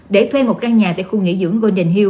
để thuê một căn nhà tại khu nghỉ dưỡng golden hill